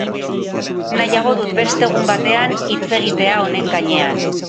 Nahiago dut beste egun batean hitz egitea honen gainean.